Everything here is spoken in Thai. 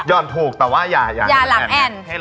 ่อนถูกแต่ว่าอย่าหลังแอ่น